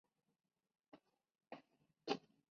Se trata de un edificio de planta triangular.